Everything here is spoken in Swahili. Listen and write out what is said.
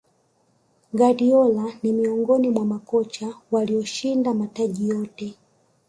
guardiola ni miongoni mwa makocha walioshinda mataji yote